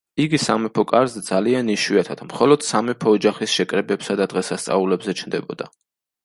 იგი სამეფო კარზე ძალიან იშვიათად, მხოლოდ სამეფო ოჯახის შეკრებებსა და დღესასწაულებზე ჩნდებოდა.